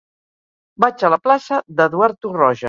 Vaig a la plaça d'Eduard Torroja.